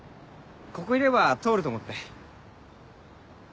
ここいれば通ると思って。